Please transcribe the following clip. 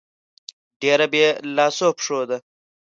ډېره بې لاسو پښو ده.